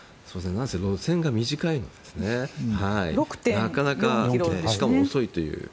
路線が短いのでしかも遅いという。